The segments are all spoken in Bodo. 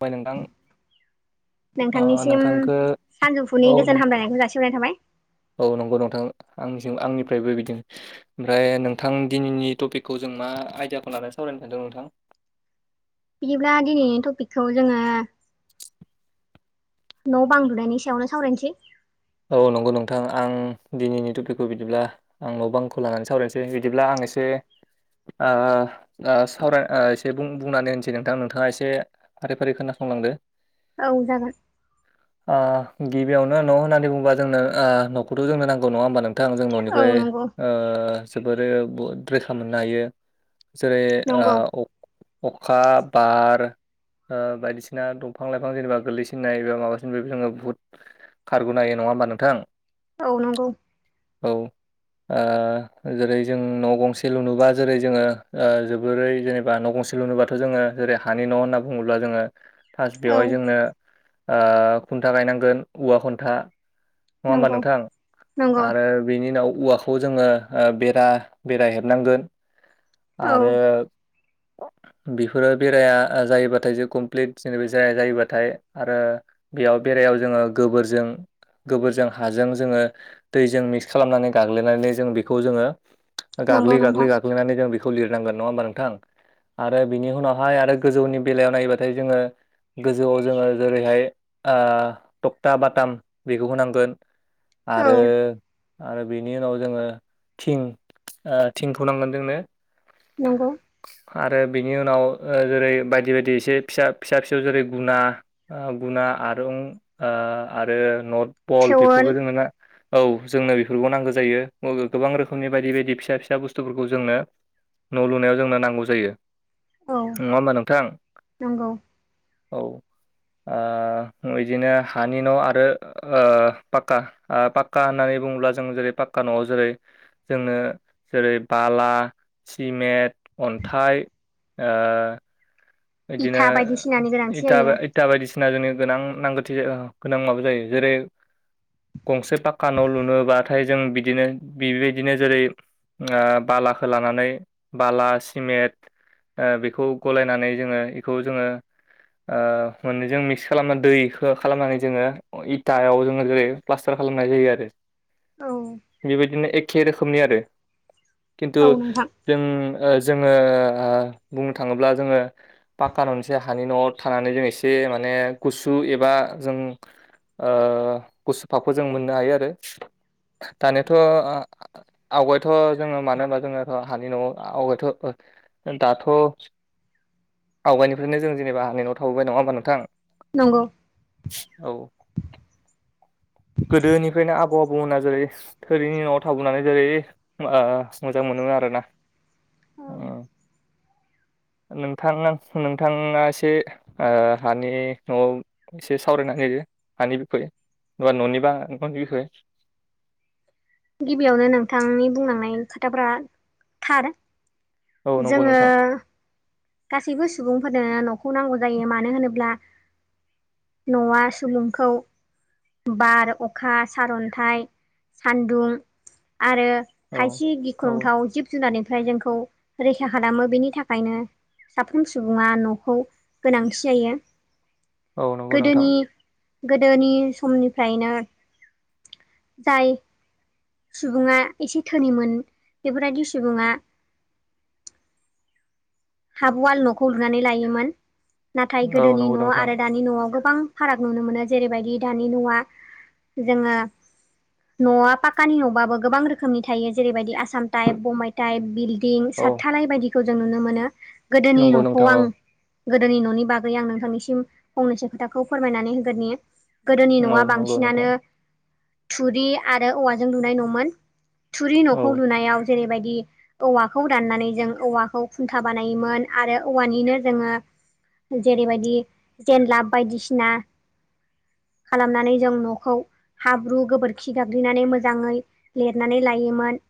[unintelligible] बाय नोंथां ओ नोंथांनिसिम नोंथांखो सानजौफुनि औ नं गोजोन हामलायनायखौ जासिहरनाय थाबाय। औ नंगौ नोंथां आंनिसि आंनिफ्रायबो बिदिनो ओमफ्राय नोंथां दिनिनि टपिकखौ जों मा आयदाखौ लानानै सावरायनो सानदों नोंथां? बिदिब्ला दिनैनि टपिकखौ जोङो न' बां लुनायनि सायावनो सावरायनोसै औ नंगौ नोंथां आं दिनैनि टपिकखौ बिदिब्ला आं न' बांंखौ लानानै सावरायनोसै बिदिब्ला आं एसे ओ‌ ओ सावराय ओ एसे बुं बुंनानै होनसै नोंथां नोंथाङा एसे फारि फारि खोनासंलांदो औ जागोन ओ गिबियावनो न' होननानै बुङोबा जोंनो न'खौथ' जोंनो नांगौ नङा ओमबा नों थां जों औ न'निफ्राय नंगौ ओ जोबोरै रैखा मोननो हायो जेरै नंगौ ओ अखा बार ओ बायदिसिना दंफां लाइफां जेनेबा गोलैसिनाय एबा माबासिन बे जोङो बुहुत खारगनो हायो नङा ओमबा नोंथां औ नंगौ औ ओ जेरै जों न' गंसे लुनोबा जेरै जोङो ओ जोबोरै जेनेबा न' गंसे लुनोबाथ' जोङो जेरै हानि न' होनना बुङोब्ला जोङो फास्ट औ बेवहाय जोंनो ओ खुन्था गायनांगोन औवा खुन्था नङा ओमबा नंगौ नोंथां नंगौ आरो बेनि उनाव औवाखौ खौ जोङो ओ बेरा बेराया हेबनांगोन औ आरो बेफोरो बेराया जायोबाथाय जे कमप्लिट जेनेब जाया जायोबाथाय आरो बेयाव बेरायाव जोङो गोबोरजों गोबोरजों हाजों जोङो दैजों मिक्स खालामनानै गाग्लिनानै जों बेखौ जोङो नंगौ गाग्लि नोंथां गाग्लि गाग्लिनानै जों बेखौ लिरनांगोन नङा ओमबा नोंथां आरो बिनि उनावहाय आरो गोजौनि बेलायाव नायोबाथाय जोङो गोजौआव जोङो जेरैहाय ओ थकथा बाथाम बेखौ होनांगोन औ आरो आरो बेनि उनाव जोङो थिं ओ थिंखौ नांगोन जोंनो नंगौ आरो बिनि उनाव ओ जेरै बायदि बायदि एसे फिसा फिसा फिसौ जेरै गुना गुना आरुं आरो नट बल थेवोल बेखौबो जोङो ना औ जोंनो बेफोरखौ नांगौ जायो गोबां रोखोमनि बायदि बायदि फिसा फिसा बुस्थुफोरखौ जोंनो न' लुनायाव जोंनो नांगौ जायो औ नङा ओमबा नोंथां? नंगौ औ ओ बिदिनो हानि न' आरो ओ पाक्का ओ पाक्का होननानै बुङोब्ला जों जेरै पाक्का न'वाव जेरै जोंनो जेरै बाला सिमेन्ट अन्थाइ ओ बिदिनो इथा बायदिसिनानि गोनांथि इता जायो इता बायदिसिना जोंनो गोनां नांगौथि गोनां माबा जायो जेरै गंसे पाक्का न' लुनोबाथाय जों बिदिनो बेबायदिनो जेरै ओ बालाखो लानानै बाला सिमेन्ट ओ बेखौ गलायनानै जोङो बेखौ जोङो ओ मोननैजों मिक्स खालामना दैखौ खालामनानै जोङो इथायाव जोङो जेरै प्लास्टार खालामनाय जायो आरो औ बेबायदिनो एखे रोखोमनि आरो खिन्थु औ नोंथां जों ओ जोङो बुंनो थाङोब्ला जोङो पाका ननिसाय हानि न'आव थानानै जों एसे माने गुसु एबा जों ओ गुसु भाफखौ जों मोननो हायो आरो दानोथ' आवगायथ' जोङो मानो होनबा जोङो' हानि न'आव आवगायथ' दाथ' आवगायफ्रायनो जों जेनेबा हानि न'आव थाबोबाय नङा होमबा नोंथां नंगौ औ [inaudible] गोदोनिफ्रायनो आबौ आबैमोना जेरै थोरिनि न'आव थाबोनानै जेरै ओ मोजां मोनोमोन आरोना ओ नोंथां नोंथाङा एसे ओ हानि न'आव एसे सावरायनो‌ हायो हानि बिखय एबा न'नि बा न'नि बिखय गिबियावनो नोंथांनि बुंलांनाय खोथाफ्रा थार औ नंगौ जोङो नोंथां गासैबो सुबुंफोरनो न'खौ नांगौ जायो मानो होनोब्ला न'आ सुलुंखौ बार अखा सारअन्थाइ सान्दुं आरो औ खायसे औ गिख्रंथाव जिब जुनारनिफ्राय जोंखौ रैखा खालामो बेनि थाखायनो साफ्रोम सुबुङा न'खौ गोनांथि जायो औ नंगौ नोंथां गोदोनि गोदोनि समनिफ्रायनो जाय सुबुङा एसे धोनिमोन बेफोरबायदि सुबुङा हाबवाल न'खौ लुनानै लायोमोन नाथाय औ गोदोनि नंगौ न' नोंथां आरो दानि न'आव गोबां फाराग नुनो मोनो जेरैबायदि दानि न'आ जोङो न'आ पाक्कानि न'बाबो गोबां रोखोमनि थायो जेरैबायदि आसाम टाइप बम्बाइ टाइप बिदि दिं औ सारथानाय बायदिखौ जों नुनो मोनो गोदोनि नंगौ न'खौ नोंथां आं औ गोदोनि न'नि बागै आं नोंथांनिसिम फंनैसो खोथाखौ फोरमायनानै होग्रोनि गोदोनि औ न'आ नंगौ बांसिनानो नोंथां थुरि आरो औवाजों लुनाय न'मोन थुरि औ न'खौ लुनायाव जेरैबायदि औवाखौ दाननानै जों औवाखौ फु- सा बानायोमोन आरो औवानिनो जोङो जेरैबायदि जेनलाब बायदिसिना खालामनानै जों न'खौ हाब्रु गोबोरखि गाग्लिनानै मोजाङै लिरनानै लायोमोन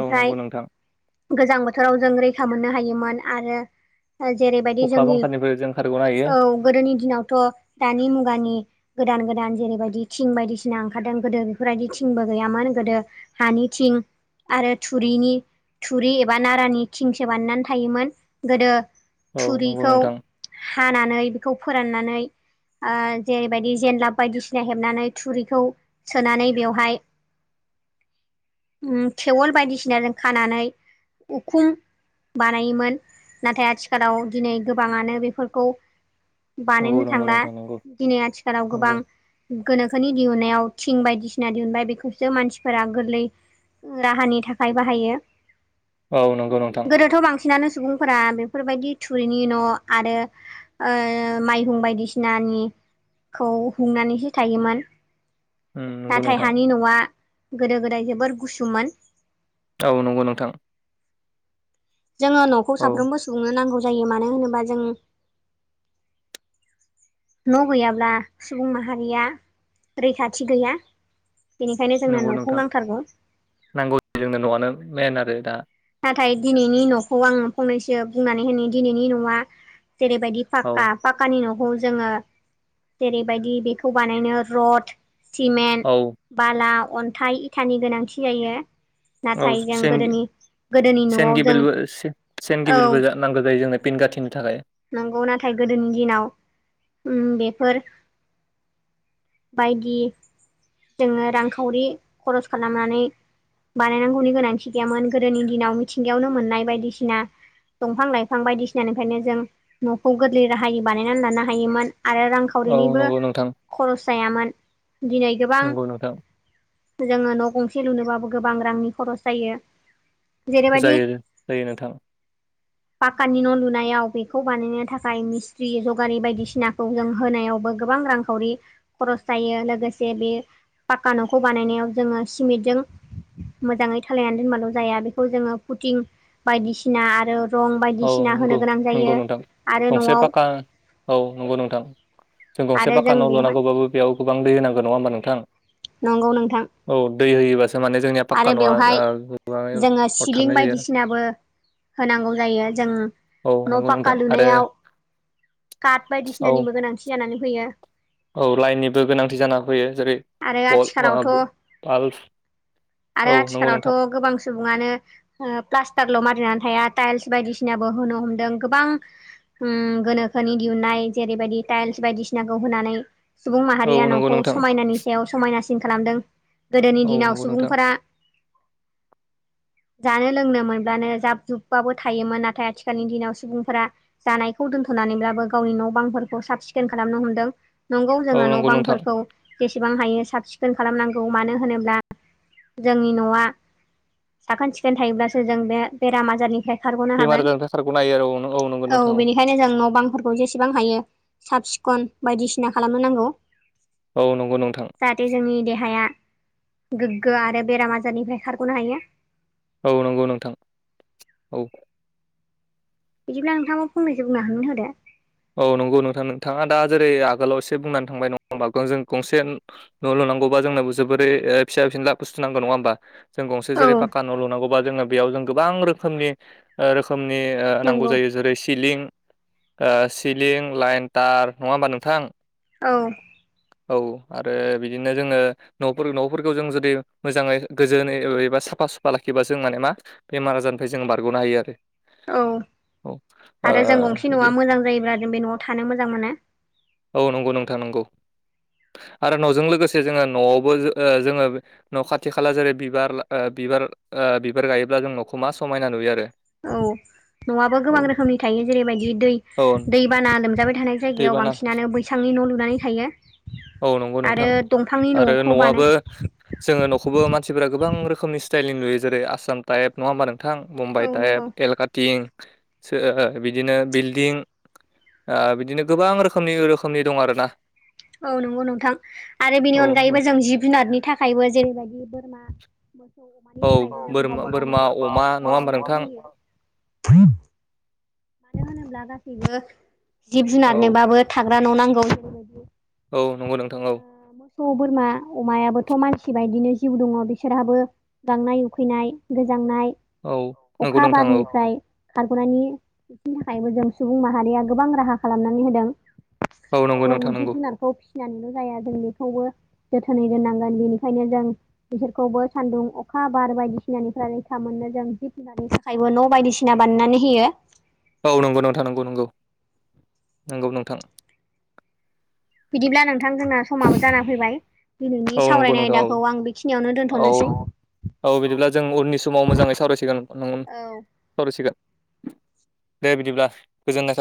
औ नंगौ नोंथां गोजां बोथोराव जों रैखा मोननो हायोमोन आरो जेरैबायदि अखा जोंनि बांखानिफ्राय जों खारग'नो हायो औ गोदोनि दिनावथ' दानि मुगानि गोदान गोदान जेरैबायदि थिं बायदिसिना ओंखारदों गोदो बेफोरबायदि थिंबो गैयामोन गोदो हानि थिं आरो थुरिनि थुरि एबा नारानि थिंसो बानायनानै थायोमोन गोदो औ नंगौ थुरिखौ नोंथां हानानै बेखौ फोराननानै जेरैबायदि जेनलाब बायदिसिना हेबनानै थुरिखौ सोनानै बेवहाय उम थेवल बायदिसिनाजों खानानै उखुम बानायोमोन नाथाय आथिखालाव दिनै गोबाङानो बेफोरखौ नंगौ बानायनो नंगौ थांला नोंथां नंगौ दिनै आथिखालाव गोबां नंगौ गोनोखोनि दिहुनायाव थिं बायदिसिना दिहुनबाय बेखौसो मानसिफोरा गोरलै राहानि थाखाय बाहायो औ नंगौ नोंथां। गोदोथ' बांसिनानो सुबुंफोरा बेफोरबायदि थुरिनि न' आरो माइहुं बायदिसिनानि खौ हमनानै होखायोमोन उम नंगौ नाथाय नोंथां हानि न'आ गोदो गोदाय जोबोर गुसुमोन औ नंगौ नोंथां जोङो न'खौ औ साफ्रोमबो सनो नांगौ जायो मानो होनोबा जों न' गैयाब्ला सुबुं माहारिया रैखाथि गैया बेनिखायनो जोंनो नंगौ न'खौ नोंथां नांथारगौ नांगौ जोंनो न'आनो मन आरो दा नाथाय दिनैनि न'खौ आङो फंनैसो बुंनानै होनो दिनैनि न'आ जेरैबायदि औ पाक्का पाक्कानि न'खौ जोङो जेरैबायदि बेखौ बानायनो रड सिमेन्ट औ बाला अन्थाइ इथानि गोनांथि जायो औ नाथाय जों सेन गोदोनि गोदोनि सेन न'आव जों गिबिलबो सेन औ गिबिलबो नांगौ जायो जोंनो पिनगाथिनि थाखाय नंगौ नाथाय गोदोनि दिनाव बेफोर बायदि जोङो रांखावरि खरस खालामनानै बानायनांगौनि गोनांथि गैयामोन गोदोनि दिनाव मिथिंगायावनो मोननाय बायदिसिना दंफां लाइफां बायदिसिनानिफ्रायनो जों न'खौ गोरलै राहायै बानायनानै लानो हायोमोन आरो औ रांखावरिनिबो नंगौ नोंथां खरस जायामोन दिनै गोबां नंगौ नोंथां जोङो न' गंसे लुनोबाबबो गोबां रांनि खरस जायो जेरैबायदि जायो जायो नोंथां पाकानानि न' लुनायाव बे बेखौ बानायनो थाखाय मिस्थ्रि जगारि बायदिसिनाखौ जों होनायावबो गोबां रांखावरि खरस जायो लोगोसे बे पाक्का न'खौ बानायनायाव जोङो सिमेन्टजों मोजाङै थालायनानै दोनबाल' जाया बेखौ जोङो फुटिं बायदिसिना आरो। रं औ बायदिसिना नंगौ होनो गोनां नंगौ जायो। नोंथां आरो गंसे न'आव पाका औ नंगौ नोंथां जों गंसे आरो पाखा नाव बेवहाय लुनांगौबाबो बेयाव गोबां दै होनांगो नङा होनबा नोंथां नंगौ नोंथां औ दै होयोबासो माने जोंनिया पाक्का आरो न'आ बेवहाय ओ गोबाङै जोङो सिलिं अरथाबनाय जायो आरो। बायदिसिनाबो होनांगौ जायो जों औ न' नंगौ पाक्का नोंथां आरो लुनायाव काट औ बायदिसिनानिबो गोनांथि जानानै फैयो औ लाइननिबो गोनांथि जाना फैयो जेरै आरो आथिखालावथ' पल्स आरो आथिखालावथ' गोबां सुबुङानो प्लास्टारल' मारिनानै थाया टाइल्स बायदिसिनाबो होनो हमदों गोबां गोनोखोनि दिहुननाय जेरैबायदि टाइल्स बायदिसिनाखौ होनानै सुबुं औ माहारिया नंगौ न'खौ नोंथां समायनानि सायाव समायनासिन खालामदों गोदोनि औ दिनाव नंगौ सुबुं नोंथां बा जानो लोंनो मोनब्लानो जाब जुबबाबो थायोमोन नाथाय आथिखालनि दिनाव सुबुंफोरा जानायखौ दोन्थ'नानैब्लाबो गावनि न' बांफोरखौ साब सिखोन खालामनो हमदों नंगौ औ जोङो न' नंगौ नोंथां बांफोरखौ जेसेबां हायो साब सिखोन खालामनांगौ मानो होनोब्ला जोंनि न'आ साखोन सिखोन थायोब्लासो जों बे बेराम आजारनिफ्राय खारग'नो बेमार हागोन। आजारनिफ्राय खारगनो हायो आरो औ औ नंगौ नोंथां औ ओंखायनो जों न' बांफोरखौ जेसेबां हायो साब सिखन बायदिसिना खालामनो नांगौ औ नंगौ नोंथां जाहाथे जोंनि देहाया गोग्गो आरो बेराम आजारनिफ्राय खारग'नो हायो औ नंगौ नोंथां औ बिदिब्ला नोंथांङाबो फंनैसो बुंनानै होदो औ नंगौ नोंथां नोंथाङा दा जेरै आगोलाव एसे बुंनानै थांबाय नङा हमबा जों गंसे न' ल'नांगबा जोंनोबो जोबोरै फिसा फिनला बुस्थ नांग नङा होनबा जों गंसे औ जेरै पाका न' लुनांगौबा जोङो बेयाव जों गोबां रोखोमनि रोखोमनि नांगौ नंगौ जायो जेरै सिलिं सिलिं लाइन टार नङा होमबा नोंथां औ औ आरो बिदिनो जोङो न' न'फोरखौ जों जुदि मोजाङै गोजोनै एबा साफा सुफा लाखिबा जों माने मा बेमार आजारनिफ्राय जों बारग'नो हायो आरो औ औ ओ आरो जों गंसे न'आ बिदि मोजां जायोब्ला जों बे न'आव थानो मोजां मोनो औ नंगौ नोंथां नंगौ आरो न'जों लोगोसे जोङो न'आवबो जोङो न' खाथि खाला जेरै बिबार बिबार बिबार गायोब्ला जों न'खौ मा समायना नुयो आरो औ नङाआबा गोबां औ रोखोमनि थायो जेरैबायदि दै औ दैबाना लोमजाबाय थानाय जायगायाव दैबाना बांसिनानो बै सांनि न' लुनानै थायो औ नंगौ आरो नोंथां दंफांनि आरो न'खौ बानो न'आबो जोङो न'खौबो मानसिफोरा गोबां रोखोमनि स्टाइलनि नुयो जेरै आसाम टाइप नङा होमबा नोंथां मुम्बाइ औ नंगौ टाइप एलकाटिं बिदिनो बिल्डिं बिदिनो गोबां रोखोमनि रोखोमनि दं आरोना औ नंगौ नोंथां आरो बिनि औ नंगौ अनगायैबो जों जिब जुनादनि थाखायबो जेरैबायदि बोरमा औ बोरमा बोरमा अमा नङा होमबा नोंथां [inaudible] मानो होनोब्ला गासैबो जिब औ जुनारनोबाबो थाग्रा न' नांगौ बेफोरबायदि औ नंगौ नोंथां औ सौ बोरमा अमायाबोथ' मानसि बायदिनो जिउ दङ बिसोरहाबो गांनाय उखैनाय गोजांनाय औ नंगौ अखा नोंथां औ बारनिफ्राय खारग'नायनि बिनि थाखायबो जों सुबुं माहारिया गोबां राहा खालामनानै होदों औ नंगौ जों नोंथां जिब नंगौ जुनारखौ फिसिनानैल' जाया जों बेखौबो जोथोनै दोननांगोन बेनिखायनो जों बिसोरखौबो सान्दुं अखा बार बायदिसिनानिफ्राय रैखा मोनो जों जिब होनानि थाखायबो न' बायदिसिना बानायनानै होयो औ नंगौ नोंथां नंगौ नंगौ नंगौ नोंथां बिदिब्ला नोंथां जोंना समाबो जानानै फैबाय दिनैनि औ नंगौ सावरायनाय नोंथां औ आयदाखौ आं बेखिनियावनो औ दोनथ'नोसै औ बिदिब्ला जों उननि समाव मोजाङै सावरायसिगोन नों औ सावरायसिगोन दे बिदिब्ला गोजोननाय थाब